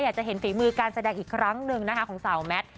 จะเห็นฝีมือการแสดงอีกครั้งหนึ่งนะคะของสาวแมท